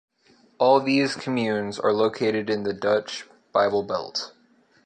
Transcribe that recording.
All these communes are located in the Dutch Bible Belt.